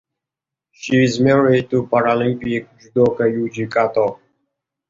She is married to Paralympic judoka Yuji Kato.